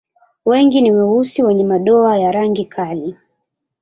Wengi ni weusi wenye madoa ya rangi kali.